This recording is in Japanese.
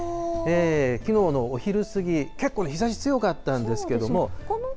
きのうのお昼過ぎ、結構、日ざし強かったんですけれども。